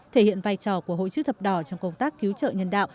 thể hiện vai trò của hội chữ thập đỏ trong công tác cứu trợ nhân đạo